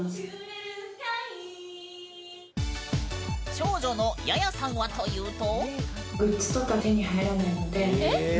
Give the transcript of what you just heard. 長女のヤヤさんはというと。